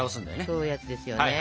そういうヤツですよね。